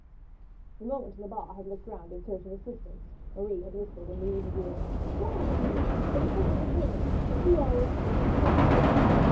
The moment Lebat had looked round in search of assistance Marie had whispered in Louise's ear: "Fly, Louise, for the sake of the children; if you are arrested they are lost!"